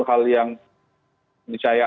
hal yang mencairkan